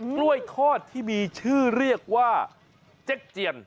กล้วยทอดที่มีชื่อเรียกว่าเจ๊กเจียน